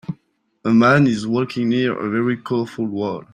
A man is walking near a very colorful wall.